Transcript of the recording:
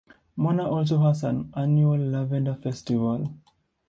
Mona also has an annual Lavender Festival.